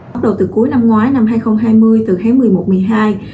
bắt đầu từ cuối năm ngoái năm hai nghìn hai mươi từ tháng một mươi một một mươi hai